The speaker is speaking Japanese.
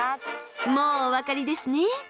もうお分かりですね？